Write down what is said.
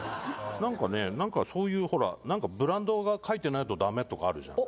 なんかね、そういう、ほらブランドが書いてないとダメとかあるじゃない。